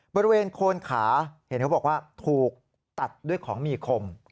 บริเวณโคนขาเห็นเขาบอกว่าถูกตัดด้วยของมีคม